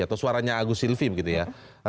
atau suaranya agus silvi begitu ya